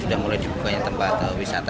sudah mulai dibukanya tempat wisata